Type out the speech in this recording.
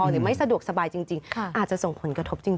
หรือไม่สะดวกสบายจริงอาจจะส่งผลกระทบจริง